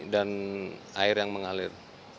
dan air yang mengalir